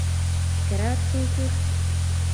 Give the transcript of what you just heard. kerat sukul